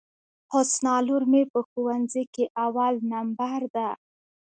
حسنی لور مي په ښوونځي کي اول نمبر ده.